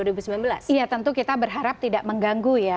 iya tentu kita berharap tidak mengganggu ya